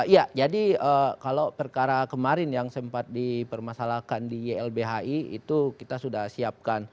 ya jadi kalau perkara kemarin yang sempat dipermasalahkan di ylbhi itu kita sudah siapkan